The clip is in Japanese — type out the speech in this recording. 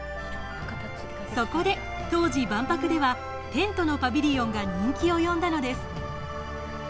そこで当時、万博ではテントのパビリオンが人気を呼んだのです。